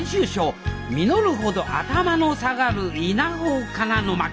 「実るほど頭の下がる稲穂かな？」の巻。